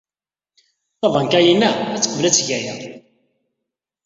Tabanka-inna ad teqbel ad teg aya.